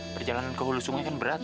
perjalanan ke hulu sungai kan berat